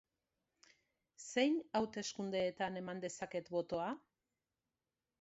Zein hauteskundeetan eman dezaket botoa?